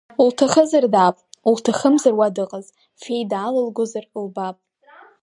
Улҭахызар даап, улҭахымзар уа дыҟаз, феида алылгозар лбап.